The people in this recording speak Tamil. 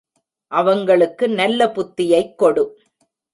அவங்களுக்கு நல்ல புத்தியைக் கொடு!.